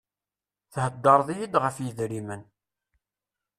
Thedreḍ-iy-d ɣef yidrimen.